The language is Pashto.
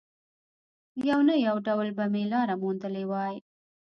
يو نه يو ډول به مې لاره موندلې وای.